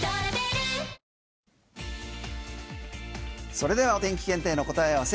それではお天気検定の答え合わせ。